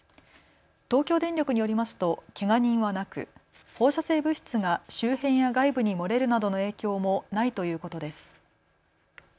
東京電力によりますとけが人はなく放射性物質が周辺や外部に漏れるなどの影響もないということです。